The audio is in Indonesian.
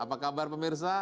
apa kabar pemirsa